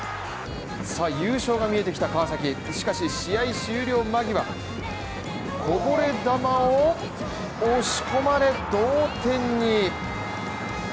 さあ優勝が見えてきた川崎、しかし試合終了間際、こぼれ玉を押し込まれ、同点に。